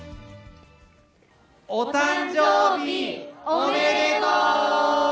お誕生日おめでとう！